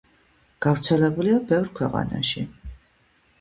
გავრცელებულია ბევრ ქვეყანაში.